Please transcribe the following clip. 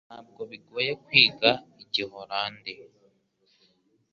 Ntabwo bigoye kwiga Igiholandi